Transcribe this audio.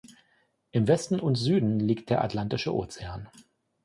Im Westen und Süden liegt der Atlantische Ozean.